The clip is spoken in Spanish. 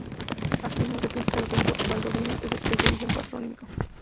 Así mismo, se piensa que el apellido Valdovinos es de origen patronímico.